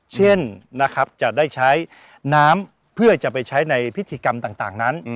เช่นนะครับจะได้ใช้น้ำเพื่อจะไปใช้ในพิธีกรรมต่างนั้น